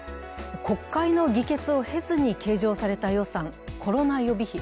国会の議決を経ずに計上された予算、コロナ予備費。